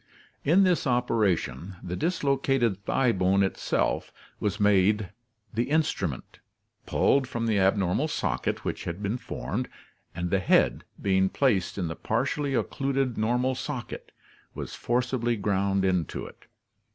In this operation, the dislocated thigh bone itself was made the instrument, pulled from the abnormal socket which had been formed, and the head, being placed in the partially occluded normal socket, was forcibly ground into it.